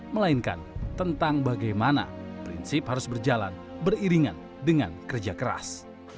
melainkan tentang bagaimana prinsip harus berjalan beriringan dengan kerja keras